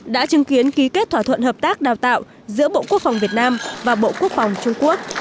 đã chứng kiến ký kết thỏa thuận hợp tác đào tạo giữa bộ quốc phòng việt nam và bộ quốc phòng trung quốc